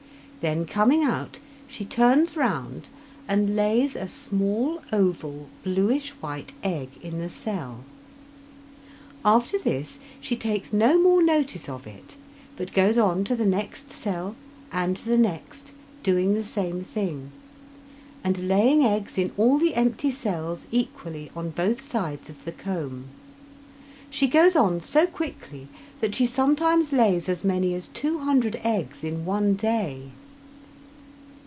Then, coming out, she turns round and lays a small, oval, bluish white egg in the cell. After this she takes no more notice of it, but goes on to the next cell and the next, doing the same thing, and laying eggs in all the empty cells equally on both sides of the comb. She goes on so quickly that she sometimes lays as many as 200 eggs in one day.